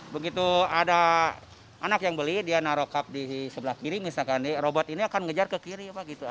begitu ada anak yang beli dia naro cup di sebelah kiri misalkan robot ini akan ngejar ke kiri